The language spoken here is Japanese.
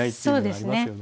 そうですね。